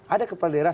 ada kepala daerah